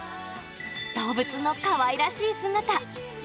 動物のかわいらしい姿。